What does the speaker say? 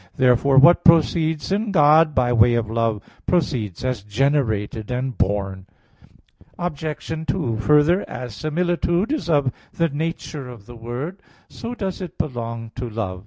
Therefore what proceeds in God by way of love, proceeds as generated and born. Obj. 2: Further, as similitude is of the nature of the word, so does it belong to love.